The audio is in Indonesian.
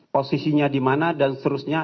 posisinya dimana dan seterusnya